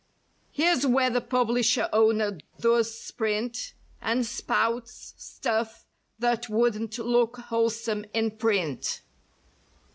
Here's where the publisher owner does sprint And spouts stuff that wouldn't look wholesome in print.